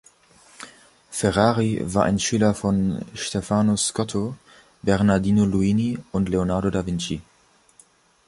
Ferrari war ein Schüler von Stefano Scotto, Bernardino Luini und Leonardo da Vinci.